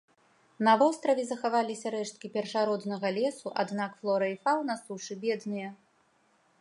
На востраве захаваліся рэшткі першароднага лесу, аднак флора і фаўна сушы бедныя.